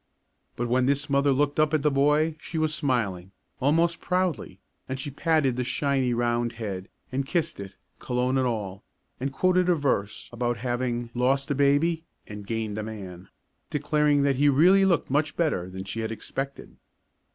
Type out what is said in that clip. But when this mother looked up at the boy, she was smiling, almost proudly; and she patted the shiny, round head, and kissed it, cologne and all, and quoted a verse about having "lost a baby and gained a man," declaring that he really looked much better than she had expected.